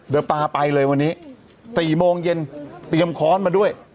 เดี๋ยวปลาไปเลยวันนี้๔โมงเย็นเตรียมค้อนมาด้วย